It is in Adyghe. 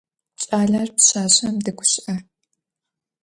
Кӏалэр пшъашъэм дэгущыӏэ.